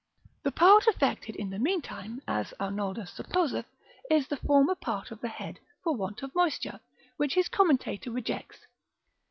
The part affected in the meantime, as Arnoldus supposeth, is the former part of the head for want of moisture, which his Commentator rejects.